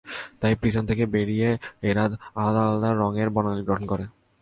তাই প্রিজম থেকে বেরিয়ে এরা আলাদা আলাদা রঙের বর্ণালী গঠন করে।